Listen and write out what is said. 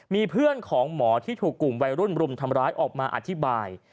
มีเพื่อนของหมอที่ถูกกลุ่มวัยรุ่นรุมทำร้ายออกมาอธิบาย